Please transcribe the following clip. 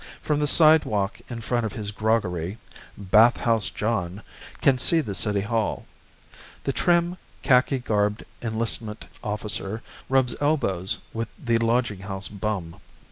From the sidewalk in front of his groggery, "Bath House John" can see the City Hall. The trim, khaki garbed enlistment officer rubs elbows with the lodging house bum.